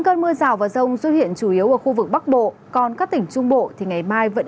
cơn mưa rào và rông xuất hiện chủ yếu ở khu vực bắc bộ còn các tỉnh trung bộ thì ngày mai vẫn